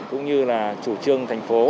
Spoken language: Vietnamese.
cũng như là chủ trương thành phố